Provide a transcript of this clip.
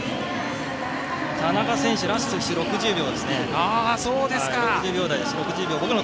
田中選手、ラスト１周６０秒台ですね。